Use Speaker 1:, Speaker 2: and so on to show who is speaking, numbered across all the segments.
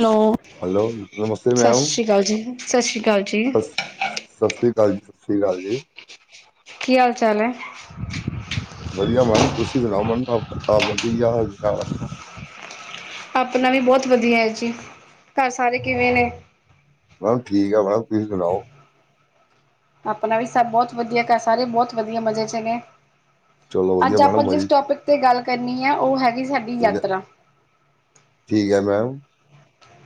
Speaker 1: Hello.
Speaker 2: Hello, ਨਮਸਤੇ ਮੈ
Speaker 1: ਸਤਿ
Speaker 2: ਹੂੰ,
Speaker 1: ਸ਼੍ਰੀ ਅਕਾਲ ਜੀ। ਸਤਿ ਸ਼੍ਰੀ ਅਕਾਲ ਜੀ।
Speaker 2: ਸਤਿ ਸ੍ਰੀ ਅਕਾਲ ਜੀ। ਸਤਿ ਸ਼੍ਰੀ ਅਕਾਲ ਜੀ।
Speaker 1: ਕੀ ਹਾਲ ਚਾਲ ਹੈ?
Speaker 2: ਵਧੀਆ ਮੈਮ, ਤੁਸੀਂ ਸੁਣਾਓ ਮੈਮ, ਆਪ ਵਧੀਆ?
Speaker 1: ਆਪਣਾ ਵੀ ਬਹੁਤ ਵਧੀਆ ਹੈ ਜੀ, ਘਰ ਸਾਰੇ ਕਿਵੇਂ ਨੇ?
Speaker 2: ਬਸ ਠੀਕ ਆ ਮੈਮ, ਤੁਸੀਂ ਸੁਣਾਓ?
Speaker 1: ਆਪਣਾ ਵੀ ਸਭ ਬਹੁਤ ਵਧੀਆ, ਘਰ ਸਾਰੇ ਬਹੁਤ ਵਧੀਆ, ਮਜ਼ੇ 'ਚ ਨੇ।
Speaker 2: ਚਲੋ ਵਧੀਆ
Speaker 1: ਅੱਜ ਆਪਾਂ
Speaker 2: ਮੈਡਮ
Speaker 1: ਜਿਸ
Speaker 2: ਵਧੀਆ
Speaker 1: ਟੋਪਿਕ ਤੇ ਗੱਲ ਕਰਨੀ ਹੈ, ਉਹ ਹੈਗੀ ਸਾਡੀ
Speaker 2: ਠੀਕ ਹੈ
Speaker 1: ਯਾਤਰਾ।
Speaker 2: ਠੀਕ ਹੈ, ਮੈਮ।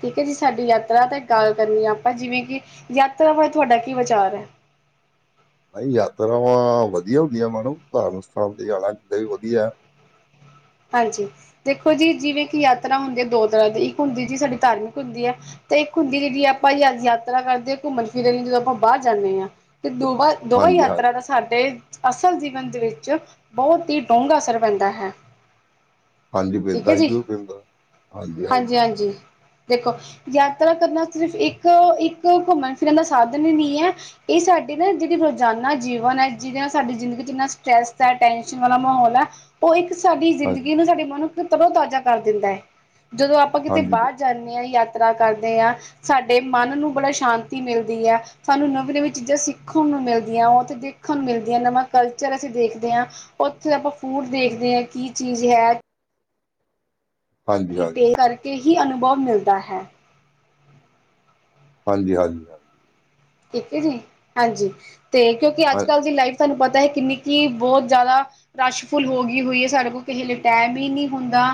Speaker 1: ਠੀਕ ਹੈ ਜੀ, ਸਾਡੀ ਯਾਤਰਾ ਤੇ ਗੱਲ ਕਰਨੀ ਆ ਆਪਾਂ ਜਿਵੇਂ ਕਿ, ਯਾਤਰਾ ਬਾਰੇ ਤੁਹਾਡਾ ਕੀ ਵਿਚਾਰ ਹੈ?
Speaker 2: ਅਹੀਂ ਯਾਤਰਾਵਾਂ ਵਧੀਆ ਹੁੰਦੀਆਂ, ਮਨੋ ਭਾਵਕ ਸਥਾਨ ਤੇ ਜਾਣਾ ਤੇ ਵਧੀਆ।
Speaker 1: ਹਾਂਜੀ ਦੇਖੋ ਜੀ, ਜਿਵੇਂ ਕਿ ਯਾਤਰਾ ਹੁੰਦੀ ਹੈ ਦੋ ਤਰ੍ਹਾਂ ਦੀ, ਇੱਕ ਹੁੰਦੀ ਜੀ ਸਾਡੀ ਧਾਰਮਿਕ ਹੁੰਦੀ ਹੈ। ਤੇ ਇੱਕ ਹੁੰਦੀ ਜਿਹੜੀ ਆਪਾਂ ਯ ਯਾਤਰਾ ਕਰਦੇ ਘੁੰਮਣ ਫਿਰਨ ਲਈ ਆਪਾਂ ਬਾਹਰ ਜਾਨੇ ਆਂ ਤੇ [unintelligible] ਦੁਵਾਂ
Speaker 2: ਹਾਂਜੀ ਹਾਂਜੀ
Speaker 1: ਯਾਤਰਾ ਦਾ ਸਾਡੇ ਅਸਲ ਜੀਵਨ ਦੇ ਵਿੱਚ ਬਹੁਤ ਈ ਡੂੰਘਾ ਅਸਰ ਪੈਂਦਾ ਹੈ।
Speaker 2: ਹਾਂਜੀ
Speaker 1: ਠੀਕ
Speaker 2: ਪੈਂਦਾ
Speaker 1: ਹੈ
Speaker 2: ਏ ਜੀ ਪੈਂਦਾ ਹਾਂਜੀ, ਹਾਂਜੀ।
Speaker 1: ਹਾਂਜੀ-ਹਾਂਜੀ ਦੇਖੋ ਯਾਤਰਾ ਕਰਨਾ ਸਿਰਫ਼ ਇੱਕ, ਇੱਕ ਘੁੰਮਣ ਫਿਰਨ ਦਾ ਸਾਧਨ ਈ ਨਈ ਐ। ਇਹ ਸਾਡੀੇ ਨਾ ਜਿਹੜੀ ਰੋਜ਼ਾਨਾ ਜੀਵਨ ਐ ਜਿਹਦੇ ਨਾਲ ਸਾਡੀ ਜ਼ਿੰਦਗੀ ਚ ਇੰਨਾ ਸਟਰੈਸ ਐ, ਟੈਸ਼ਨ ਵਾਲਾ ਮਾਹੌਲ ਐ। ਉਹ ਇੱਕ ਸਾਡੀ
Speaker 2: ਹਾਂਜੀ
Speaker 1: ਜ਼ਿੰਦਗੀ ਨੂੰ ਸਾਡੀ ਮਨੁੱਖ ਤਰੋਂ-ਤਾਜ਼ਾ ਕਰ ਦਿੰਦਾ ਐ ਜਦੋਂ ਆ ਆਪਾਂ ਕਿਤੇ
Speaker 2: ਹਾਂਜੀ ਬ-
Speaker 1: ਬਾਹਰ ਜਾਨੇ ਆਂ, ਯਾਤਰਾ ਕਰਦੇ ਆਂ ਸਾਡੇ ਮਨ ਨੂੰ ਬੜਾ ਸ਼ਾਂਤੀ ਮਿਲਦੀ ਐ। ਸਾਨੂੰ ਨਵੀਂ ਨਵੀਂ ਚੀਜ਼ਾਂ ਸਿੱਖਣ ਨੂੰ ਮਿਲਦੀਆਂ, ਉਹਥੇ ਦੇਖਣ ਨੂੰ ਮਿਲਦੀਆਂ, ਨਵਾਂ ਕਲਚਰ ਅਸੀਂ ਦੇਖਦੇ ਆਂ। ਉੱਥੇ ਆਪਾਂ ਫੂਡ ਦੇਖਦੇ ਆਂ ਕੀ ਚੀਜ਼ ਇਐ।
Speaker 2: ਹਾਂਜੀ ਹਾਂਜੀ
Speaker 1: [unintelligible] ਕਰਕੇ ਹੀ ਅਨੁਭਵ ਮਿਲਦਾ ਹੈ।
Speaker 2: ਹਾਂਜੀ, ਹਾਂਜੀ [unintelligible]
Speaker 1: ਠੀਕ ਹੈ ਜੀ, ਹਾਂਜੀ ਤੇ ਕਿਉਂਕਿ
Speaker 2: ਹਾਂ-
Speaker 1: ਅੱਜ-ਕੱਲ ਦੀ ਲਾਈਫ ਤੁਹਾਨੂੰ ਪਤਾ ਐ ਕਿੰਨੀ ਕਿ ਬਹੁਤ ਜ਼ਿਆਦਾ ਰਸ਼ ਫੁੱਲ ਹੋ ਗਈ ਹੋਈ ਐ ਸਾਡੇ ਕੋਲ ਕਿਸੇ ਲਈ ਟੈਮ ਈ ਨੀ ਹੁੰਦਾ।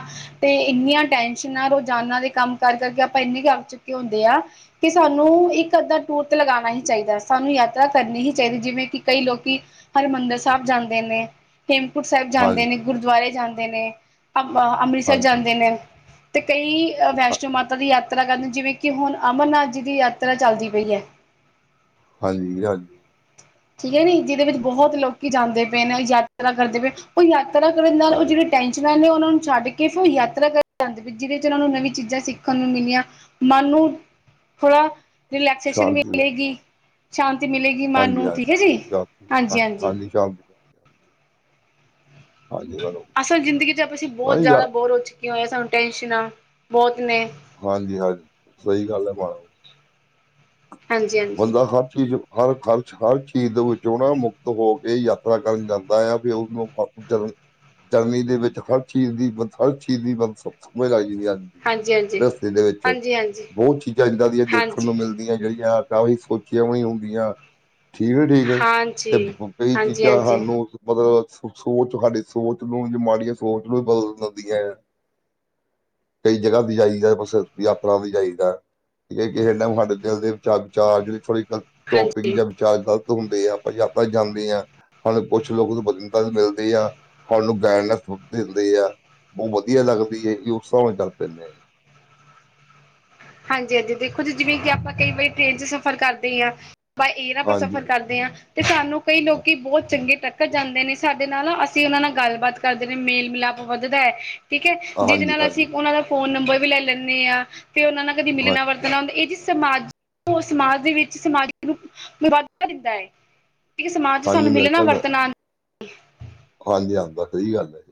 Speaker 1: ਤੇ ਇੰਨੀਆਂ ਟੈਨਸ਼ਨਾ, ਰੋਜ਼ਾਨਾ ਦੇ ਕੰਮ ਕਰ ਕਰਕੇ ਆਪਾਂ ਇੰਨੇ ਥਕ ਚੁੱਕੇ ਹੁੰਦੇ ਆ। ਕਿ ਸਾਨੂੰ ਇੱਕ ਅੱਧਾ ਟੂਰ ਲਗਾਣਾ ਹੀ ਚਾਹੀਦਾ, ਸਾਨੂੰ ਯਾਤਰਾ ਕਰਨੀ ਹੀ ਚਾਹੀਦੀ ਜਿਵੇਂ ਕਿ ਕਈ ਲੋਕੀ ਹਰਿਮੰਦਰ ਸਾਹਿਬ ਜਾਂਦੇ ਨੇ। ਹੇਮਕੁੰਟ ਸਾਹਿਬ ਜਾਂਦੇ ਨੇ,
Speaker 2: ਹਾਂਜੀ ਹਾਂਜੀ
Speaker 1: ਗੁਰਦੁਆਰੇ ਜਾਂਦੇ ਨੇ ਆਪਾ, ਅੰਮ੍ਰਿਤਸਰ ਜਾਂਦੇ
Speaker 2: ਹਾਂ-
Speaker 1: ਨੇ। ਤੇ ਕਈ ਵੈਸ਼ਨੋ ਮਾਤਾ ਦੀ ਯਾਤਰਾ ਕਰਨ, ਜਿਵੇਂ ਕਿ ਹੁਣ ਅਮਰਨਾਥ ਜੀ ਦੀ ਯਾਤਰਾ ਚੱਲਦੀ ਪਈ ਐ।
Speaker 2: ਹਾਂਜੀ, ਹਾਂਜੀ।
Speaker 1: ਠੀਕ ਐ ਜੀ ਜਿਹਦੇ ਵਿੱਚ ਬਹੁਤ ਲੋਕੀ ਜਾਂਦੇ ਪਏ ਨੇ, ਯਾਤਰਾ ਕਰਦੇ ਪਏ, ਉਹ ਯਾਤਰਾ ਕਰਨ ਨਾਲ ਉਹ ਜਿਹੜੇ ਟੈਂਸ਼ਨਾਂ ਨੇ ਉਹਨਾਂ ਨੂੰ ਛੱਡ ਕੇ ਫਿਰ ਯਾਤਰਾ ਕਰਨ ਜਾਂਦੇ ਜਿਹਦੇ ਚ ਉਹਨਾਂ ਨੂੰ ਨਵੀਂ ਚੀਜ਼ਾਂ ਸਿੱਖਣ ਨੂੰ ਮਿਲੀਆਂ। ਮਨ ਨੂੰ ਥੋੜਾ ਰਿਲੈਕਸੇਸ਼ਨ
Speaker 2: ਸ਼ਾਂਤੀ
Speaker 1: ਮਿਲੇਗੀ, ਸ਼ਾਂਤੀ ਮਿਲੇਗੀ, ਮਨ
Speaker 2: ਹਾਂਜੀ
Speaker 1: ਨੂੰ ਠੀਕ ਹੈ
Speaker 2: ਹਾਂਜੀ
Speaker 1: ਜੀ
Speaker 2: ਜਾ ਹਾਂ
Speaker 1: ਹਾਂਜੀ, ਹਾਂਜੀ।
Speaker 2: ਸ਼ਾਮ ਦੀ ਹਾਂਜੀ, ਬੋਲੋ।
Speaker 1: ਅਸਲ ਜ਼ਿੰਦਗੀ ਚ ਆਪਾਂ ਅਸੀਂ ਬਹੁਤ ਜ਼ਿਆਦਾ ਬੋਰ ਹੋ ਚੁੱਕੇ ਹੋਏ ਆਂ ਸਾਨੂੰ ਟੈਨਸ਼ਨਾਂ ਬਹੁਤ ਨੇ।
Speaker 2: ਹਾਂਜੀ ਹਾਂਜੀ ਸਹੀ ਗੱਲ ਐ। [unintelligible]
Speaker 1: ਹਾਂਜੀ ਹਾਂਜੀ
Speaker 2: ਬੰਦਾ ਹਰ ਚੀਜ਼ ਹਰ ਖਰਚ, ਹਰ ਚੀਜ਼ ਵਿੱਚ ਉਹ ਨਾ ਮੁਕਤ ਹੋ ਕੇ ਯਾਤਰਾ ਕਰਨ ਜਾਂਦਾ ਆ ਫਿਰ ਉਸਨੂੰ [unintelligible] ਗਰਮੀ ਦੇ ਵਿੱਚ ਹਰ ਚੀਜ਼ ਦੀ, [unintelligible] ਹਰ ਚੀਜ਼ ਦੀ ਬ ਸਮਝ ਲੱਗ ਜਾਂਦੀ ਅੱਜ
Speaker 1: ਹਾਂਜੀ ਹਾਂਜੀ
Speaker 2: ਗ੍ਰਹਸਤੀ ਦੇ ਵਿੱਚ
Speaker 1: ਹਾਂਜੀ ਹਾਂਜੀ
Speaker 2: ਬਹੁਤ ਚੀਜ਼ਾਂ ਇੱਦਾਂ ਦੀਆਂ ਦੇਖਣ
Speaker 1: ਹਾਂਜੀ
Speaker 2: ਨੂੰ ਮਿਲਦੀਆਂ ਜਿਹੜੀਆਂ ਤਾਂਹੀ ਸੋਚੀਆਂ ਵੀ ਨਹੀਂ ਹੁੰਦੀਆਂ ਠੀਕ ਐ ਠੀਕ ਐ
Speaker 1: ਹਾਂਜੀ
Speaker 2: ਕਈ ਚੀਜ਼ਾਂ
Speaker 1: ਹਾਂਜੀ ਹਾਂਜੀ
Speaker 2: ਸਾਨੂੰ ਮਤਲਬ ਸੋਚ ਸਾਡੀ ਸੋਚ ਨੂੰ ਜਾਂ ਮਾੜੀਆਂ ਸੋਚ ਨੂੰ ਬਦਲ ਦਿਦੀਆਂ ਐ। ਕਈ ਜਗ੍ਹਾ ਦੀ ਜਾਈਦਾ, ਬੱਸ ਯਾਤਰਾ ਵੀ ਜਾਈਦਾ। ਜੇ ਕਿਸੇ ਟੈਮ ਸਾਡੇ ਦਿਲ ਦੇ ਵਿਚ ਚਰਚਾ, ਜਿਹੜੀ ਥੋੜੀ ਟੋਪਿਕ
Speaker 1: ਹਾਂਜੀ
Speaker 2: ਜਾਂ ਵਿਚਾਰ ਗਲ ਹੁੰਦੇ ਆ ਆਪਾਂ ਯਾਤਰਾ ਜਾਂਦੇ ਆਂ। ਸਾਨੂੰ ਕੁਛ ਲੋਕ ਨੂੰ [unintelligible] ਵੀ ਮਿਲਦੀ ਆ ਸਾਨੂੰ [unintelligible] ਨਾਲ ਦਿੰਦੇ ਆ। ਬਹੁਤ ਵਧੀਆ ਲੱਗਦੀ ਏ, ਵੀ ਉਸ ਹਿਸਾਬ ਨਾਲ ਚੱਲ ਪੈਂਦੇ।
Speaker 1: ਹਾਂਜੀ -ਹਾਂਜੀ ਦੇਖੋ ਜੀ, ਜਿਵੇਂ ਕਿ ਆਪਾਂ ਕਈ ਵਾਰੀ ਟ੍ਰੇਨ ਚ ਸਫ਼ਰ ਕਰਦੇ ਆਂ। ਇਹ ਨਾ ਆਪਾਂ
Speaker 2: ਹਾਂਜੀ
Speaker 1: ਸਫ਼ਰ ਕਰਦੇ ਆਂ। ਤੇ ਸਾਨੂੰ ਕਈ ਲੋਕੀ ਬਹੁਤ ਚੰਗੇ ਟੱਕਰ ਜਾਂਦੇ ਨੇ, ਸਾਡੇ ਨਾਲ ਅਸੀਂ ਉਹਨਾਂ ਨਾਲ ਗੱਲਬਾਤ। ਕਰਦੇ ਨੇ ਮੇਲ ਮਿਲਾਪ ਵੱਧਦਾ ਐ। ਠੀਕ ਹੈ ਜਿਹਦੇ
Speaker 2: ਹਾਂਜੀ
Speaker 1: ਨਾਲ ਅਸੀਂ,
Speaker 2: ਹਾਂਜੀ
Speaker 1: ਉਹਨਾਂ ਫੋਨ ਨੰਬਰ ਵੀ ਲੈ ਲੈਦੇ ਹਾਂ ਫੇ ਉਹਨਾ ਨਾਲ ਕਦੇ ਮਿਲਣਾ
Speaker 2: ਹਾਂਜੀ
Speaker 1: ਵਰਤਣਾ ਵੀ ਹੁੰਦਾ ਇਹ ਚ। ਸਮਾਜ- ਸਮਾਜ ਦੇ ਵਿੱਚ ਸਮਾਜ ਵਾਧਾ ਦਿੰਦਾ ਏ। ਏਹ ਸਮਾਜ ਚ
Speaker 2: ਹਾਂਜੀ
Speaker 1: ਸਾਨੂੰ ਮਿਲਣਾ
Speaker 2: ਮਿਲਦਾ ਮੈਂ-
Speaker 1: ਵਰਤਨਾ।
Speaker 2: ਹਾਂਜੀ ਹਾਂਦਾ ਸਹੀ ਗੱਲ ਹੈ।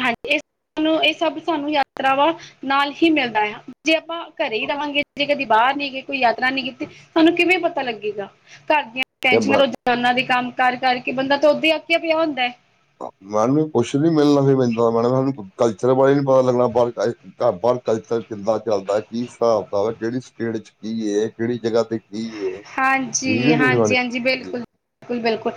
Speaker 1: ਹਾਂਜੀ ਇਹ ਇਹ ਸਭ ਸਾਨੂੰ ਯਾਤਰਾਵਾਂ ਨਾਲ ਹੀ ਮਿਲਦਾ ਹੈ ਜੇ ਆਪਾਂ। ਘਰੇ ਹੀ ਰਹਾਂਗੇ ਜੇ ਕਦੀ ਬਾਹਰ ਨੀ ਗਏ, ਕੋਈ ਯਾਤਰਾ ਨਹੀਂ ਕੀਤੀ ਸਹਾਨੂੰ ਕਿਵੇਂ ਪਤਾ ਲੱਗੇਗਾ ਘਰ ਦੀਆਂ। ਟੈਨ
Speaker 2: ਇਹ ਮ-
Speaker 1: ਰੋਜ਼ਾਨਾ ਦੇ ਕੰਮ ਕਰ ਕਰਕੇ ਬੰਦਾ, ਤਾਂ ਉਦਾਂ ਹੀ ਅੱਕ ਪਿਆ ਹੁੰਦਾ ਹੈ।
Speaker 2: ਮੈਡਮ ਕੁਛ ਨੀ ਮਿਲਣਾ ਫ ਮੈ ਮੈਡਮ ਸ ਕਲਚਰ ਬਾਰੇ ਨੀ ਪਤਾ ਲੱਗਣਾ। ਘ ਬਰ ਕਲਚਰ ਕਿੱਦਾਂ ਚੱਲਦਾ, ਕੀ ਹਿਸਾਬ ਕਤਾਬ ਹੈ ਕਿਹੜੀ ਸਟੇਟ ਚ ਕੀ ਇਹ ਕਿਹੜੀ ਜਗ੍ਹਾ ਤੇ। ਕੀ ਏ ਠੀਕ ਹੈ
Speaker 1: ਹਾਂਜੀ-
Speaker 2: ਠੀਕ ਮੈਡਮ
Speaker 1: ਹਾਂਜੀ- ਹਾਂਜੀ,
Speaker 2: ਜੀ
Speaker 1: ਬਿਲਕੁਲ -ਬਿਲਕੁਲ- ਬਿਲਕੁਲ,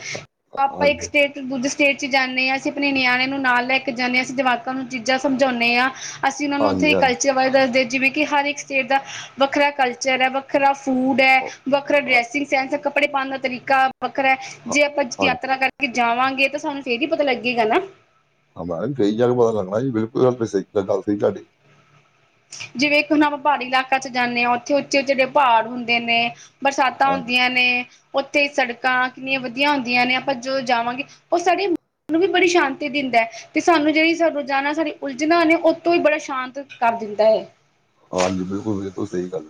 Speaker 1: ਆਪਾਂ ਇੱਕ
Speaker 2: ਹਾਂਜੀ
Speaker 1: ਸਟੇਟ। ਦੁੱਜ ਸਟੇਟ ਚ ਜਾਂਦੇ ਹਾਂ, ਅਸੀਂ ਆਪਣੇ ਨਿਆਣੇ ਨੂੰ ਨਾਲ ਲੈ ਕੇ ਜਾਂਦੇ ਹਾਂ, ਅਸੀਂ ਜਮਕਾਂ ਨੂੰ ਚੀਜ਼ਾਂ ਸਮਝਾਉਂਦੇ ਹਾਂ। ਅਸੀਂ ਉਹਨਾਂ ਨੂੰ
Speaker 2: ਹਾਂਜੀ
Speaker 1: ਉੱਥੇ
Speaker 2: ਹਾਂਜੀ
Speaker 1: ਕਲਚਰ ਬਾਰੇ ਦੱਸਦੇ, ਜਿਵੇਂ ਕਿ ਹਰ ਇੱਕ ਸਟੇਟ ਦਾ ਵੱਖਰਾ ਕਲਚਰ ਹੈ ਵ। ਵੱਖਰਾ ਫੂਡ ਹੈ, ਵੱਖਰਾ
Speaker 2: ਹਾਂ-
Speaker 1: ਡਰੈਸਿੰਗ ਸੈਂਸ ਹੈ, ਕੱਪੜੇ ਪਾਉਣ ਦਾ ਤਰੀਕਾ। ਵੱਖਰਾ ਹੈ
Speaker 2: ਹਾਂ-
Speaker 1: ਜੇ ਆਪਾਂ ਯਾਤਰਾ
Speaker 2: ਹਾਂਜੀ
Speaker 1: ਕਰਕੇ ਜਾਵਾਂਗੇ, ਤਾਂ ਸਾਨੂੰ ਫੇਰ ਹੀ ਪਤਾ ਲੱਗੇਗਾ ਨਾ।
Speaker 2: ਹਾਂ ਮੈ ਕਿਹਾਮ ਕਹੀ ਜਾ ਕੇ ਪਤਾ ਲੱਗਣਾ, ਜੀ ਬਿਲਕੁਲ ਗੱਲਹੀ ਗੱਲ ਸ ਸੀ ਤੁਹਾਡੀ।
Speaker 1: ਜਿਵੇਂ ਹੁਣ ਆਪਾਂ ਪਹਾੜੀ ਇਲਾਕਾ ਚ ਜਾਂਦੇ ਹਾਂ, ਉੱਥੇ ਉੱਚੇ -ਉੱਚੇ ਪਹਾੜ ਹੁੰਦੇ ਨੇ। ਬਰਸਾਤਾਂ
Speaker 2: ਹਾਂਜੀ
Speaker 1: ਹੁੰਦੀਆਂ ਨੇ। ਉੱਥੇ ਸੜਕਾਂ ਕਿੰਨੀਆਂ ਵਧੀਆ ਹੁੰਦੀਆਂ, ਨੇ ਆਪਾਂ ਜੋ ਜਾਵਾਂਗੇ ਉਹ ਸਾਰੇ। ਸਾਨੂੰ ਵੀ ਬੜੀ ਸ਼ਾਂਤੀ ਦਿੰਦਾ ਹੈ ਤੇ ਸਾਨੂੰ ਜਿਹੜੀ ਰੋਜ਼ਾਨਾ ਸਾਡੀ ਉਲਝਣਾ ਨੇ ਉਹਤੋਂ ਵੀ ਬੜਾ ਸ਼ਾਂਤ। ਕਰ ਦਿੰਦਾ ਹੈਏ।
Speaker 2: ਹਾਂਜੀ ਬਿਲਕੁਲ -ਬਿਲਕੁਲ ਸਹੀ ਗੱਲ।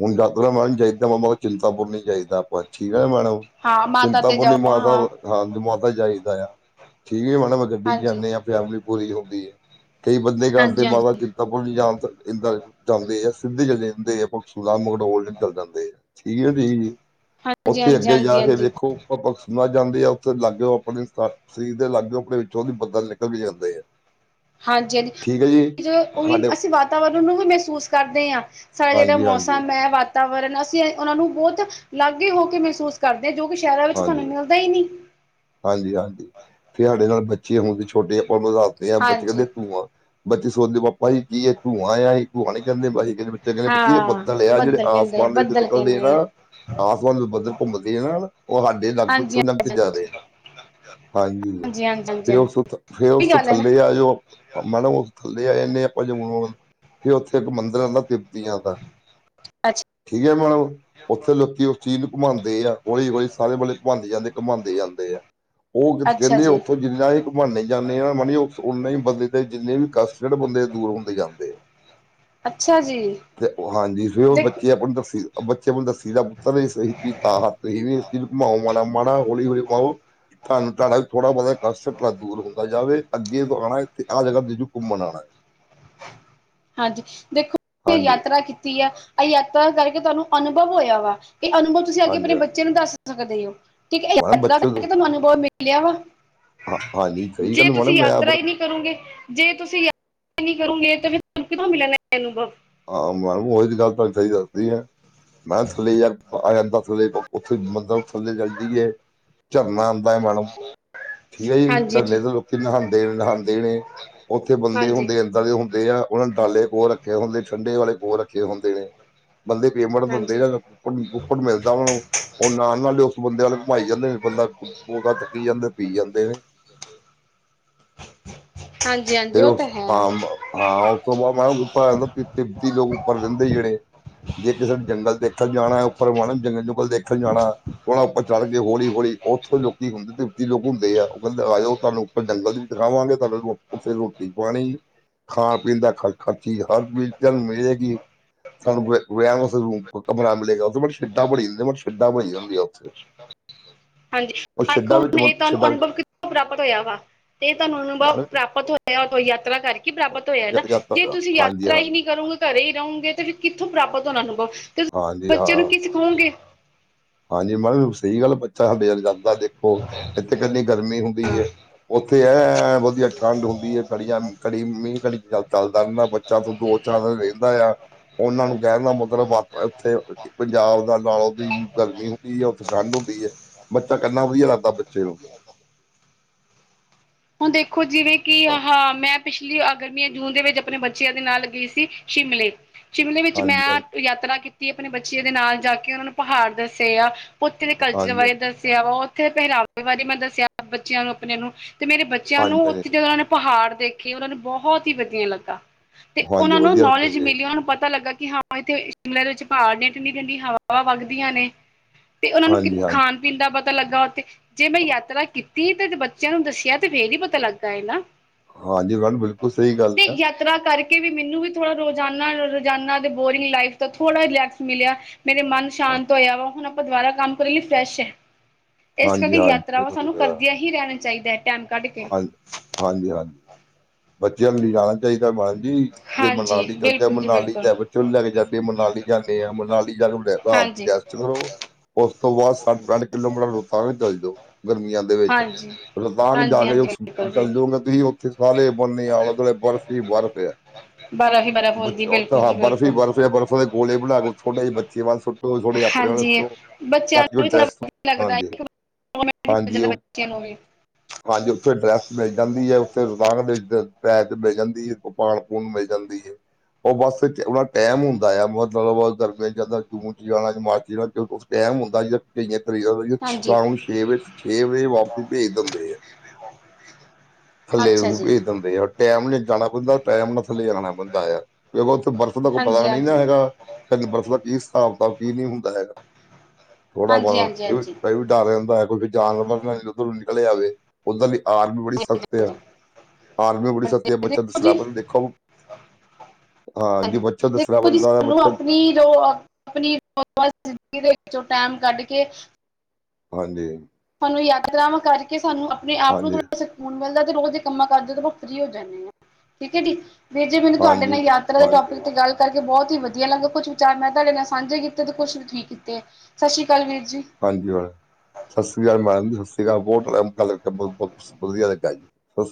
Speaker 2: ਹੁਣ ਯਤਰਾ ਮਾਰ ਜਾਈ ਹੀਦਾ। ਮਾਬ ਚਿੰਤਾਪੁਰਨੀ ਚਾਹੀਦਾ ਆਪਾਂ ਠੀਕ ਹੈ, ਨਾ ਮੈਡਮ
Speaker 1: ਹਾਂ ਮਾਤਾ ਤੇ ਜਾਓ
Speaker 2: ਚਿੰਤਾਪੁਰਨੀ ਮਾਤਾ। ਹਾਂ ਮਾਤਾ ਚਾਹੀਦਾ ਆ ਠੀਕ, ਮੈਡ ਗੱਡੀ ਚ
Speaker 1: ਹਾਂਜੀ
Speaker 2: ਜਾਂਦੇ ਹਾਂ ਫੈਮਿਲੀ ਪੂਰੀ ਹੁੰਦੀ ਹੈ। ਕਈ ਬੰਦੇ ਕਰਦੇ
Speaker 1: ਹਾਂਜੀ ਹਾਂਜੀ ਹਾਂਜੀ
Speaker 2: ਮਾਤਾ ਚਿੰਤਾਪੁਰ ਜਾਣ ਜਾਂਦੇ, ਆ ਸਿੱਧੇ ਚਲੇਦੇ ਆ। ਸੂਦਾ ਮਕਡੋਲ ਨਿਕਲ ਜਾਂਦੇ ਆ ਠੀਕ,
Speaker 1: ਹਾਂਜੀ
Speaker 2: ਉੱਥੇ
Speaker 1: ਹਾਂਜੀ
Speaker 2: ਅੱਗੇ ਜਾ
Speaker 1: ਹਾਂਜੀ
Speaker 2: ਕੇ ਦੇਖੋ। ਭ- ਭ ਸੁਨਾ ਜਾਂਦੇ ਆ, ਉੱਥੇ ਲਾਗੇ ਹੋ ਆਪਣੇ। ਸਰੀਰ ਦੇ ਲਾਗੇ ਆਪਣੇ ਵਿੱਚੋਂ ਦੀ ਬੱਦਲ ਨਿਕਲ ਵੀ ਜਾਂਦੇ ਆ।
Speaker 1: ਹਾਂਜੀ
Speaker 2: ਠੀਕ ਹੈ ਜੀ
Speaker 1: -ਹਾਂਜੀ, ਉਹੀ
Speaker 2: ਸਾਡੇ
Speaker 1: ਅਸੀਂ ਵਾਤਾਵਰਨ ਨੂੰ ਵੀ ਮਹਿਸੂਸ ਕਰਦੇ ਹਾਂ। ਸਾਡਾ ਜਿਹੜਾ
Speaker 2: ਹਾਂਜੀ ਹਾਂਜੀ
Speaker 1: ਮੌਸਮ ਹੈ, ਵਾਤਾਵਰਨ ਅਸੀਂ ਉਹਨਾਂ ਨੂੰ ਬਹੁਤ ਲਵਲੀ ਹੋ ਆਗੇ ਹੀ ਹੋ ਕੇ ਮਹਿਸੂਸ। ਕਰਦੇ ਹਾਂ, ਜੋ ਕਿ ਸ਼ਹਿਰਾਂ ਵਿੱਚ
Speaker 2: ਹਾਂਜੀ
Speaker 1: ਤੁਹਾਨੂੰ ਮਿਲਦਾ ਹੀ ਨਹੀਂ।
Speaker 2: ਹਾਂਜੀ -ਹਾਂਜੀ, ਫਿਰ ਸਾਡੇ ਨਾਲ ਬੱਚੇ ਹੁਣਦੇ ਛੋਟੇ ਰਾਸ ਨਹੀਂ ਆ ਬੱਚੇ ਕਹਿੰਦੇ
Speaker 1: ਹਾਂਜੀ
Speaker 2: ਤੂੰ ਧੂੰਆਂ। ਬੱਚੇ ਸੋਚਦੇ ਪਾਪਾ ਜੀ ਕੀ, ਤੂੰ ਆਣਾ ਆ ਧੂੰ ਆ ਨੀ ਕਹਿੰਦੇਸੀ ਕਹਿੰਦੇ। ਚੰਗੇ ਨੇ ਬੱਚੀ ਇਹ
Speaker 1: ਹਾਂ
Speaker 2: ਬੱਦਲ ਆ, ਜਿਹੜੇ
Speaker 1: ਕਹਿੰਦੇ ਆ
Speaker 2: ਆਸਮਾਨ ਦੇ ਵਿੱਚ
Speaker 1: ਬੱਦਲ
Speaker 2: ਨਿਕਲਦੇ ਆ
Speaker 1: ਕਹਿੰਦੇ
Speaker 2: ਨਾ। ਆਸਮਨ ਨੂੰ ਬੱਧਰ ਘੁੰਮਦੇ ਆ, ਨਾਲ ਉਹ ਸਾਡੇ ਲੱਗ
Speaker 1: ਹਾਂਜੀ
Speaker 2: ਪਿੱਛੋਂ ਲੰਘ ਕੇ ਜਾ ਰਹੇ ਨੇ। ਹਾਂਜੀ
Speaker 1: ਹਾਂਜੀ ਹਾਂਜੀ
Speaker 2: ਫੇਰ
Speaker 1: ਹਾਂਜੀ
Speaker 2: ਉਸ ਤੋਂ ਫੇਰ, ਉਸ
Speaker 1: ਉਹੀ
Speaker 2: ਤੋਂ
Speaker 1: ਗੱਲ ਹੈ ਨਾ
Speaker 2: ਥੱਲੇ ਆ ਜੋ। ਮੈ ਨਾ ਥੱਲੇ ਆ ਜਾਂਦੇ ਹ ਆਪਾਂ ਜ। ਫਿਰ ਉੱਥੇ ਇੱਕ ਮੰਦਿਰ ਆ ਦਾ ਤਿਪਤੀਆਂ ਦਾ।
Speaker 1: ਅੱਛਾ।
Speaker 2: ਠੀਕ ਮੈਡਮ। ਉੱਥੇ ਲੋਕੀ ਉਸ ਚੀਜ਼ ਨੂੰ ਘੁੰਮਾਉਦੇ ਆ, ਹੌਲੀ- ਹੌਲੀ ਸਾਰੇ ਵਾਲੇਲੇ ਘੁਮਾਂਦੇ ਜਾਂਦੇ ਘੁਮਾਉਂਦੇ ਜਾਂਦੇ ਆ। ਉਹ
Speaker 1: ਅੱਛਾ
Speaker 2: ਕਹਿੰਦੇ ਆ
Speaker 1: ਜੀ
Speaker 2: ਉੱਥੋਂ। ਜਿੰਨਾ ਅਸੀਂ ਘੁਮਾਨੇ ਜਾਂਦੇ ਹਾਂ, ਮਓ ਉਨਾ ਹੀ ਬੰਦੇ ਦੇ ਜਿੰਨੇ ਵੀ ਕਸ਼ਟ ਜਿਹੜੇ ਬੰਦੇ ਦੂਰ ਹੁੰਦੇ ਜਾਂਦੇ ਆ।
Speaker 1: ਲ।
Speaker 2: ਤੇ ਹਾਂਜੀ ਫਿਰ ਉਹ
Speaker 1: ਦੇਖੋ
Speaker 2: ਬੱਚੇ ਆਪਾਂ ਨੂੰ ਦੱਸੀ। ਬੱਚੇ ਮਨ ਦੱਸੀ ਦਾ ਪੁੱਤਰ ਨਹੀਂ ਸਹੀ ਚੀਜ਼ ਤਾਂ ਹੱਥਹੀ ਚ ਮਾਓ ਮਾਣਾ ਮਾਣਾ ਹੌਲੀ ਹੌਲੀ ਮਾਓ। ਤੁਹਾਨੂੰ ਤੁਹਾਡਾ ਥੋੜਾ ਬਹੁਤਾ ਕਸ਼ਟ ਦੂਰ ਹੁੰਦਾ ਜਾਵੇ ਅੱਗੇ ਤੋਂ ਆਉਣਾ ਆਹ ਜਗਾ ਦਜੂ ਘੁੰਮਣ ਆਉਣਾ।
Speaker 1: ਹਾਂਜੀ। ਦੇਖੋ
Speaker 2: ਹਾਂਜੀ
Speaker 1: ਯਾਤਰਾ ਕੀਤੀ ਆ। ਐ ਯਾਤਰਾ ਕਰਕੇ ਤਾਨੂੰ ਅਨੁਭਵ ਹੋਏਆ ਵਾ। ਏ ਅਨੁਭਵ ਤੁਸੀ ਅੱਗੇ
Speaker 2: ਹਾਂਜੀ
Speaker 1: ਅਪਣੇ ਬੱਚੇ
Speaker 2: ਹਾਂਜੀ
Speaker 1: ਨੂੰ ਦੱਸ ਸਕਦੇ ਓ। ਤੇ
Speaker 2: ਮੈਡਮ
Speaker 1: ਯਾਤਰਾ
Speaker 2: ਬੱਚੇ
Speaker 1: ਕਰਕੇ ਤਾਨੂੰ ਅਨੁਭਵ ਮਿਲਿਆ ਵਾ।
Speaker 2: ਹਾਂ ਹਾਂਜੀ ਸਹੀ
Speaker 1: ਜੇ
Speaker 2: ਗੱਲ
Speaker 1: ਤੁਸੀ
Speaker 2: ਮੈਡਮ ਮੈਂ
Speaker 1: ਯਾਤਰਾ ਈ
Speaker 2: ਆਪਣੇ
Speaker 1: ਨੀ ਕਰੋਗੇ, ਜੇ ਤੁਸੀ ਨੀ ਕਰੂੰਗੇ ਤੇ ਫੇਰ ਤਾਨੂੰ ਕਿੱਥੋਂ ਮਿਲਣੇ ਅਨੁਭਵ?
Speaker 2: ਆ ਮੈਮ ਓਈ ਤੇ ਗੱਲ ਤਾਨੂੰ ਸਹੀ ਦੱਸਤੀ ਐ। ਮੈਂ ਥੱਲੇ ਯਾ ਆ ਜਾਂਦਾ ਥੱਲੇ ਓਥੇ ਮੰਦਬ ਥੱਲੇ ਜਾਂਦੀ ਏ। ਝਰਨਾ ਆਂਦਾ ਐ ਮੈਡਮ, ਠੀਕ ਏ ਜੀ।
Speaker 1: ਹਾਂਜੀ
Speaker 2: ਝਰਨੇ
Speaker 1: ਹਾਂਜੀ
Speaker 2: ਤੇ ਲੋਕੀ ਨਹਾਂਦੇ ਨੇ ਨਹਾਂਦੇ ਨੇ। ਓਥੇ ਬੰਦੇ
Speaker 1: ਹਾਂਜੀ
Speaker 2: ਹੁੰਦੇ ਏਦਾਂ ਦੇ ਹੁੰਦੇ ਆ ਓਨਾ ਨੇ ਡਾਲੇ ਕੋਲ ਰੱਖੇ ਹੁੰਦੇ। ਠੰਡੇ ਵਾਲੇ ਕੋਲ ਰੱਖੇ ਹੁੰਦੇ ਨੇ। ਬੰਦੇ ਪੇਮੰਟ ਦੰਦੇ
Speaker 1: ਹਾਂਜੀ
Speaker 2: ਆ। ਉਨ ਕੂਪਨ ਮਿਲਦਾ ਓਨਾ ਨੂੰ ਓ ਨਾਲ ਨਾਲ ਓਸ ਬੰਦੇ ਆਲੇ ਘੁਮਾਈ ਜਾਂਦੇ ਨੇ। ਬੰਦਾ ਬੋਤਲ ਚੱਕੀ ਜਾਂਦੇ ਪੀ ਜਾਂਦੇ ਨੇ।
Speaker 1: ਹਾਂਜੀ ਹਾਂਜੀ।
Speaker 2: ਫਿਰ
Speaker 1: ਓ ਤੇ
Speaker 2: ਉਸ
Speaker 1: ਹੈ।
Speaker 2: ਹਾਂ ਹਾਂ। ਓਸ ਤੋਂ ਬਾਦ ਮੈਂ ਉੱਪਰ ਆਂਦਾ ਪੀਤੀ ਲੋਕ ਉੱਪਰ ਰੇਂਦੇ ਜੇੜੇ। ਜੇ ਕਿਸੇ ਨੂੰ ਜੰਗਲ ਦੇਖਣ ਜਾਣਾ ਐ ਉੱਪਰ ਵਨ ਜੰਗਲ ਜੁੰਗਲ ਦੇਖਣ ਜਾਣਾ। ਵਾ ਉੱਪਰ ਚੜ ਜੇ ਹੋਲੀ ਓਥੋਂ ਲੋਕੀ ਹੁੰਦੇ ਹੂਤੀ ਲੋਕ ਹੁੰਦੇ ਆ। ਓ ਕੈਂਦੇ ਆ ਜਓ ਤੁਹਾਨੂੰ ਉੱਪਰ ਜੰਗਲ ਵੀ ਦਿਖਾਵਾਂਗੇ ਤੁਹਾਨੂੰ ਓਥੇ ਰੋਟੀ-ਪਾਣੀ ਖਾਣ-ਪੀਣ ਦਾ ਖਰ ਖਰਚੀ ਹਰ ਚੀਜ ਤਨ ਮਿਲੇਗੀ। ਤਾਨੂੰ ਰੈ ਰੈਣ ਵਾਸਤੇ ਰੂ ਕਮਰਾ ਮਿਲੇਗਾ ਓਤੇ ਸ਼ਇਡਾਂ ਬਣੀ ਸ਼ਇਡਾਂ ਬਣੀ ਹੁੰਦੀਆਂ ਓਥੇ।
Speaker 1: [unintelligible] ਹਾਂਜੀ। ਵੇਖੋ
Speaker 2: ਵਿੱਚ
Speaker 1: ਹੁਣ ਏ ਤੁਹਾਨੂੰ
Speaker 2: ਸ਼ੈੱਡਾਂ ਹਾਂਜੀ
Speaker 1: ਅਨੁਭਵ ਕਿੱਥੋਂ ਪ੍ਰਾਪਤ ਹੋਇਆ ਵਾ? ਤੇ ਤੁਹਾਨੂੰ ਅਨੁਭਵ ਪ੍ਰਾਪਤ ਹੋ ਹੋਏਆ ਯਾਤਰਾ ਕਰਕੇ ਪ੍ਰਾਪਤ ਹੋਏਆ ਐ ਨਾ। ਜੇ ਤੁਸੀ
Speaker 2: ਹਾਂਜੀ
Speaker 1: ਯਾਤਰਾ ਈ
Speaker 2: ਹਾਂਜੀ
Speaker 1: ਨੀ ਕਰੋਗੇ ਘਰੇ ਈ ਰੋਂਗੇ ਤੇ ਫੇ ਕਿੱਥੋਂ ਪ੍ਰਾਪਤ ਹੋਣਾ ਅਨੁਭਵ? ਤੇ
Speaker 2: ਹਾਂਜੀ
Speaker 1: ਬੱਚੇ ਨੂੰ
Speaker 2: ਹਾਂ
Speaker 1: ਕੀ ਸਿਖਓਂਗੇ?
Speaker 2: ਹਾਂਜੀ। ਮੈਡਮ ਸਹੀ ਗੱਲ ਬੱਚਾ ਹਬੇਲ ਜਾਂਦਾ ਦੇਖੋ। ਏਥੇ ਕਿੰਨੀ ਗਰਮੀ ਹੁੰਦੀ ਐ। ਔਥੇ ਐਂ ਵਧੀਆ ਠੰਡ ਹੁੰਦੀ ਏ। ਕਣੀਆਂ ਕੜੀ ਮੀਂ ਕਣੀ ਚਲਦਾ ਰੈਂਦਾ। ਬੱਚਾ ਦੋ ਚਾਰ ਦਿਨ ਰਹਿੰਦਾ ਆ। ਓਨਾਂ ਨੂੰ ਕੈਣ ਦਾ ਮਤਲਬ ਆ ਏਥੇ ਪੰਜਾਬ ਦਾ ਨਾਲ ਦੀ ਗਰਮੀ ਹੁੰਦੀ ਐ। ਓਥੇ ਠੰਢ ਹੁੰਦੀ ਏ। ਬੱਚਾ ਕੈਂਦਾ ਵਧੀਆ ਲੱਗਦਾ ਬੱਚੇ ਨੂੰ।
Speaker 1: [unintelligible] ਹੁਣ ਦੇਖੋ ਜਿਵੇਂ ਕਿ
Speaker 2: ਹਾਂ
Speaker 1: ਆਹਾ ਮੈਂ ਪਿਛਲੀ ਅ ਗਰਮੀ ਜੂਨ ਦੇ ਵਿੱਚ ਅਪਣੇ ਬੱਚੇਆਂ ਦੇ ਨਾਲ ਗਈ ਸੀ ਸ਼ਿਮਲੇ। ਸ਼ਿਮਲੇ ਵਿੱਚ ਮੈਂ
Speaker 2: ਹਾਂਜੀ ਹਾਂਜੀ
Speaker 1: ਯਾਤਰਾ ਕੀਤੀ ਅਪਣੇ ਬੱਚੇ ਦੇ ਨਾਲ ਜਾ ਕੇ ਓਨਾਂ ਨੂੰ ਪਹਾੜ ਦੱਸੇ ਆ। ਓਥੇ ਦੇ ਕਲਚਰ
Speaker 2: ਹਾਂਜੀ
Speaker 1: ਬਾਰੇ ਦੱਸਿਆ ਵਾ, ਓਥੇ ਪਹਰਾਵੇ ਬਾਰੇ ਮੈਂ ਦੱਸੇਆ ਬੱਚੇਆਂ ਨੂੰ ਅਪਣੇ ਨੂੰ ਤੇ ਮੇਰੇ ਬ ਚੇਆਂ ਨੂੰ
Speaker 2: ਹਾਂਜੀ
Speaker 1: ਓਥੇ ਜਦੋਂ ਓਨਾਂ ਨੇ ਪਹਾੜ ਦੇਖੇ ਓਨਾਂ ਨੂੰ ਬੋਹਤ ਈ ਵਧੀਆ ਲੱਗਾ। ਤੇ
Speaker 2: ਹਾਂਜੀ ਹਾਂਜੀ
Speaker 1: ਓਨਾਂ ਨੂੰ
Speaker 2: ਵਧੀਆ ਲੱਗੇ
Speaker 1: ਨੌਲੇਜ
Speaker 2: ਜੀ
Speaker 1: ਮਿਲੀ। ਓਨਾਂ ਨੂੰ ਪਤਾ ਲੱਗਾ ਕਿ ਹਾਂ ਏਥੇ ਸ਼ਿਮਲਾ ਦੇ ਵਿੱਚ ਪਹਾੜ ਨੇ ਠੰਡੀ ਠੰਡੀ ਹਵਾਵਾਂ ਵੱਗਦੀਆਂ ਨੇ ਤੇ ਓਨਾਂ ਨੂੰ ਕਿੰਨ
Speaker 2: ਹਾਂਜੀ ਹਾਂਜੀ
Speaker 1: ਖਾਨ ਪੀਨ ਦਾ ਪਤਾ ਲੱਗਾ ਓਥੇ। ਜੇ ਮੈਂ ਯਾਤਰਾ ਕੀਤੀ ਤੇ ਬੱਚੇਆਂ ਨੂੰ ਦੱਸ ਕੇਆ ਤੇ ਫੇਰ ਈ ਪਤਾ ਲੱਗਾ ਏ ਨਾ।
Speaker 2: ਹਾਂਜੀ। ਗੱਲ ਬਿਲਕੁਲ ਸਹੀ ਗੱਲ
Speaker 1: ਤੇ
Speaker 2: ਆ।
Speaker 1: ਯਾਤਰਾ ਕਰਕੇ ਵੀ ਮੈਨੂੰ ਵੀ ਥੋੜਾ ਰੋਜਾਨਾ ਰੋਜਾਨਾ ਦੇ ਬੋਰਿੰਗ ਲਾਈਫ ਤੋਂ ਥੋੜਾ ਰਿਲੈਕਸ ਮਿਲੇਆ। ਮੇਰੇ ਮਨ
Speaker 2: ਹਾਂ-
Speaker 1: ਸ਼ਾਂਤ ਹੋਏਆ ਵਾ। ਹੁਣ ਆਪਾਂ ਦੁਵਾਰਾ ਕੰਮ ਕਰਨ ਲਈ ਫਰੈਸ਼ ਐ। ਏਸ
Speaker 2: ਹਾਂਜੀ
Speaker 1: ਕਰਕੇ
Speaker 2: ਹਾਂਜੀ
Speaker 1: ਯਾਤਰਾਵਾਂ
Speaker 2: ਬਿਲਕੁਲ
Speaker 1: ਸਾਨੂੰ ਕਰਦੇਆਂ ਹੀ ਰੈਣਾ ਚਾਹੀਦਾ ਹੈ। ਟੈਮ
Speaker 2: ਹਾਂ ਹਾਂਜੀ ਹਾਂਜੀ। ਬੱਚੇਆਂ ਨੂੰ ਲਿ ਜਾਣਾ ਚਾਹੀਦਾ ਬਾਨ ਜੀ। ਜੇ
Speaker 1: ਹਾਂਜੀ
Speaker 2: ਮਨਾਲੀ ਚੱਲਦੇ ਆ
Speaker 1: ਬਿਲਕੁਲ ਜੀ
Speaker 2: ਮਨਾਲੀ
Speaker 1: ਬਿਲਕੁਲ
Speaker 2: ਲੈ ਬਚੇਆਂ ਨੂੰ ਲੈ ਕੇ ਜਾਨੇ ਮਨਾਲੀ ਜਾਨੇ ਆ ਮਨਾਲੀ ਜਾ ਕੇੈ ਤਾ ਆਪ ਵੀ
Speaker 1: ਹਾਂਜੀ
Speaker 2: ਰੈ ਚਲੋ, ਓਸ ਤੋਂ ਬਾਦ ਸੱਠ ਪੈਂਠ ਕਿਲੋਮੀਟਰ ਰੋਤਾਂਗ ਏ ਦਸ ਦੋ ਗਰਮੀਆਂ ਦੇ ਵਿੱਚ।
Speaker 1: ਹਾਂਜੀ
Speaker 2: ਰੋਤਾਂਗ ਜਾ
Speaker 1: ਹਾਂਜੀ
Speaker 2: ਕੇ
Speaker 1: ਹਾਂਜੀ ਬਿਲਕੁਲ ਜੀ
Speaker 2: ਚੱਲ ਜੋਂਗੇ ਤੁਸੀ ਓਥੇ ਸਾਰੇ ਬੰਨੇ ਆਲੇ ਦੁਆਲੇ ਬਰਫ਼ ਈ ਬਰਫ਼ ਐ।
Speaker 1: ਬਰਫ਼ ਹੀ ਬਰਫ਼
Speaker 2: ਬ
Speaker 1: ਹੁੰਦੀ
Speaker 2: ਉਥੇ
Speaker 1: ਬਿਲਕੁਲ
Speaker 2: ਹਾਂ
Speaker 1: ਜੀ
Speaker 2: ਬਰਫ਼ ਹੀ
Speaker 1: ਬਿਲਕੁਲ
Speaker 2: ਬਰਫ਼, ਬਰਫ਼ ਦੇ ਗੋਲੇ ਬਣਾ ਕੇ ਜਿ ਬੱਚੇ ਵੱਲ ਥੋੜੇ ਆਪਣੇ ਵੱਲ
Speaker 1: ਹਾਂਜੀ,
Speaker 2: ਸੁੱਟੋ
Speaker 1: ਬੱਚਿਆਂ
Speaker 2: ਬਾਕੀ
Speaker 1: ਨੂੰ
Speaker 2: ਉਹ
Speaker 1: ਵੀ ਥੋੜਾਆ
Speaker 2: ਡਰੈਸ
Speaker 1: ਲੱਗਦਾ
Speaker 2: ਹਾਂਜੀ
Speaker 1: ਕਿ
Speaker 2: ਹਾਂਜੀ ਉਹ
Speaker 1: ਨੂੰ, ਹੋ ਵੀ
Speaker 2: ਹਾਂਜੀ, ਉੱਥੇ ਡਰੈਸ ਮਿਲ ਜਾਂਦੀ ਹੈ। ਉੱਥੇ ਰੋਗ ਪੈ ਮਿਲ ਅੱਜ, ਉੱਥੇ ਡਰੈਸ ਚਲਦੀ ਹ, ਉੱਥੇ ਦੁਕਾਨਾਂ ਦੇ ਵਿੱਚ ਪੈ ਜਾਂਦੀ ਹ। ਤੂ ਪਾਣ ਪੂਨ ਜਾਂਦੀ ਉਹ ਬਸ ਉਹਣਾ ਟਾਈਮ ਹੁੰਦਾ ਆ, ਮਤਲਬ ਗਰਮੀਆਂ 'ਚ ਜਾਂਦਾ ਜੂਨ 'ਚ ਜਾਣਾ, ਮਾਰਚ ਜਾਣਾ ਟਾਈਮ ਹੁੰਦਾ 'ਜ, ਕਈਆਂ ਤਰੀਕ
Speaker 1: ਹਾਂਜੀ
Speaker 2: ਸ਼ਾਮ ਨੂੰ ਛੇ ਵਜੇ, ਛੇ ਵਜੇ ਵਾਪਸੀ ਭੇਜ 'ਦ ਦਿੰਦੇ ਹੈ। ਥੱਲੇ
Speaker 1: ਅੱਛਾ
Speaker 2: ਨੂੰ
Speaker 1: ਜੀ
Speaker 2: ਭੇਜ ਦਿੰਦੇ ਆ, ਟਾਈਮ ਨੀ ਜਾਣਾ ਪੈਂਦਾ, ਟਾਈਮ ਨਾ ਥੱਲੇ ਆਣਾ ਪੈਂਦਾ ਨਾ। ਵੇਖੋ, ਉੱਥੇ ਬਰਫ਼ ਦਾ ਕੋਈ
Speaker 1: ਹਾਂਜੀ
Speaker 2: ਪਤਾ ਨਹੀਂ ਨਾ
Speaker 1: ਹਾਂਜੀ
Speaker 2: ਹੈਗਾ। ਬਰਥ ਦਾ ਕੀ ਹਿਸਾਬ-ਕਿਤਾਬ, ਕੀ ਨਹੀਂ ਹੁੰਦਾ ਹੈਗਾ, ਥੋੜਾ
Speaker 1: ਹਾਂਜੀ ਹਾਂਜੀ ਹਾਂਜੀ
Speaker 2: ਬਹੁਤਾ ਡਰ ਰਹਿੰਦਾ ਹੈ, ਕੋਈ ਵੀ ਜਾਨਵਰ ਨਾਲ ਉਧਰੋਂ ਨਿਕਲਿਆ ਆਵੇ, ਉੱਧਰ ਦੀ ਆਰਮੀ ਵੀ ਬੜੀ ਸਖਤ ਆ। ਆਰਮੀ ਬੜੀ ਸਖਤ ਐ,
Speaker 1: ਦੇਖੋ ਜੀ
Speaker 2: ਸਰਾਬਤ ਦੇਖੋ ਹਾਂਜੀ, ਬੱਚਾ ਦੱਸਿਆ
Speaker 1: ਦੇਖੋ ਜੀ
Speaker 2: ਬੰਦਾ
Speaker 1: ਸਾਨੂੰ
Speaker 2: ਬੱਚਾ
Speaker 1: ਆਪਣੀ ਜੋ ਆਪਣੀ 'ਰ ਜ਼ਿੰਦਗੀ ਦੇ ਵਿੱਚੋਂ, ਟੈਮ ਕੱਢ ਕੇ
Speaker 2: ਹਾਂਜੀ।
Speaker 1: ਸਾਨੂੰ ਯਾਤਰਾਵਾਂ ਕਰਕੇ, ਸਾਨੂੰ ਆਪਣੇ ਆਪ ਨੂੰ
Speaker 2: ਹਾਂਜੀ
Speaker 1: ਥੋੜ੍ਹਾ ਹੁਣ ਬੰਦਾ ਤੇ, ਰੋਜ਼ ਦੇ ਕੰਮਾਂ ਕਾਜਾ ਤੋ ਫਰੀ ਹੋ ਜਾਨੇ ਹਾ, ਠੀਕ ਹ ਜੀ। ਵੀਰ ਜੇ, ਮੈਨੂੰ ਤੁਹਾਡੇ
Speaker 2: ਹਾਂਜੀ
Speaker 1: ਨਾਲ ਯਾਤਰਾ ਦੇ ਟੋਪਿਕ
Speaker 2: ਹਾਂਜੀ
Speaker 1: ਤੇ ਗੱਲ ਕਰਕੇ ਬਹੁਤ ਹੀ ਵਧੀਆ ਲਗਾ, ਕੁਛ ਵਿਚਾਰ ਮੈਂ ਤੁਹਾਡੇ ਨਾਲ ਸਾਂਝੇ ਕੀਤੇ, ਤੇ ਕੁਛ ਵੀ ਠੀਕ ਕੀਤੇ, ਸਤਿ ਸ੍ਰੀ ਅਕਾਲ ਵੀਰ ਜੀ।
Speaker 2: ਹਾਂਜੀ, ਸਤਿ ਸ਼੍ਰੀ ਅਕਾਲ ਮੈਡਮ ਸ੍ਰੀ ਅਕਾਲ, ਬਹੁਤ ਵਧੀਆ ਲੱਗਾ ਜੀ। ਸਤਿ